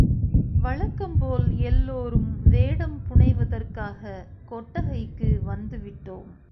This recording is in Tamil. வழக்கம்போல் எல்லோரும் வேடம் புனைவதற்காகக் கொட்டகைக்கு வந்துவிட்டோம்.